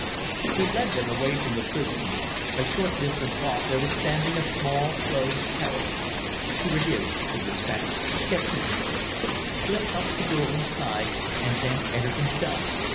He led them away from the prison. A short distance off there was standing a small closed carriage. "Here it is," said the Spaniard. "Step in." Clif helped the girl inside; and then entered himself.